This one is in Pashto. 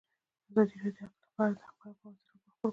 ازادي راډیو د اقلیم په اړه د حقایقو پر بنسټ راپور خپور کړی.